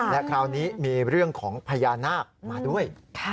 และคราวนี้มีเรื่องของพญานาคมาด้วย